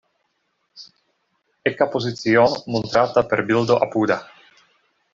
Eka pozicio montrata per bildo apuda.